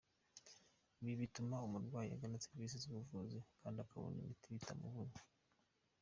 Ibi bituma umurwayi agana serivisi z’ubuvuzi kandi akabona imiti bitamuvunnye.